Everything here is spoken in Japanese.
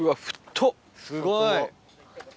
すごい。